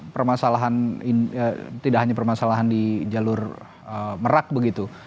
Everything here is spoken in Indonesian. permasalahan tidak hanya permasalahan di jalur merak begitu